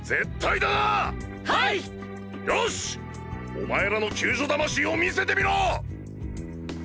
お前らの“救助魂”を見せてみろ！